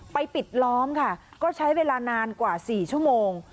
ปิดล้อมค่ะก็ใช้เวลานานกว่า๔ชั่วโมง